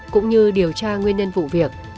cũng như điều tra nguyên nhân vụ việc